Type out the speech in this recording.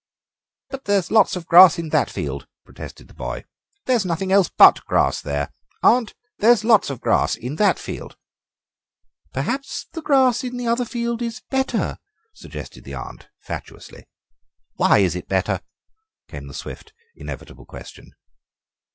"But there is lots of grass in that field," protested the boy; "there's nothing else but grass there. Aunt, there's lots of grass in that field." "Perhaps the grass in the other field is better," suggested the aunt fatuously. "Why is it better?" came the swift, inevitable question.